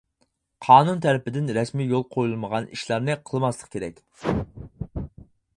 قانۇن تەرىپىدىن رەسمىي يول قويۇلمىغان ئىشلارنى قىلماسلىق كېرەك.